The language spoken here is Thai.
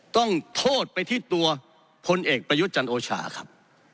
ต้องโทษไปที่ตัวพลเอกประยุทธ์จันโอชาครับ